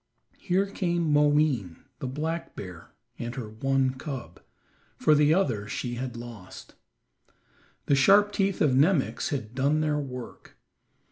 Here came Moween, the black bear, and her one cub, for the other she had lost. The sharp teeth of Nemox had done their work.